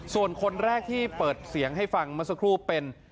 ส่วนคนแรกที่เปิดเสียงให้ฟังเมื่อสักครู่เป็น